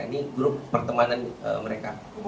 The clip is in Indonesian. ini grup pertemanan mereka